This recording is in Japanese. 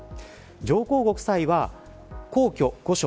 上皇ご夫妻は、皇居・御所